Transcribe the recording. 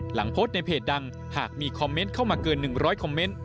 หลังโพสต์ในเพจดังหากมีคอมเมนต์เข้ามาเกิน๑๐๐คอมเมนต์